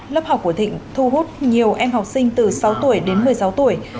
lớp học của thịnh thu hút nhiều em học sinh từ sáu tuổi đến một mươi sáu tuổi